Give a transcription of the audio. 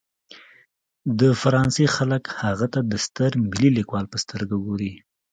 د فرانسې خلک هغه ته د ستر ملي لیکوال په سترګه ګوري.